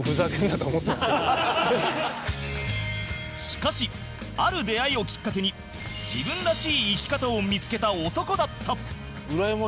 しかしある出会いをきっかけに自分らしい生き方を見付けた男だった